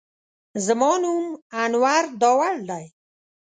زما نوم انور داوړ دی.